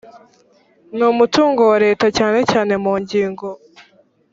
n umutungo wa leta cyane cyane mu ngingo